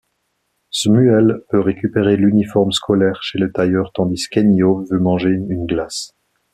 Szmuel veut récupérer l'uniforme scolaire chez le tailleur tandis qu'Henio veut manger une glace.